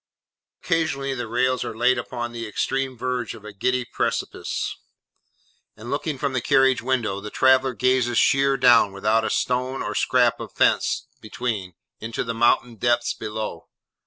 Occasionally the rails are laid upon the extreme verge of a giddy precipice; and looking from the carriage window, the traveller gazes sheer down, without a stone or scrap of fence between, into the mountain depths below.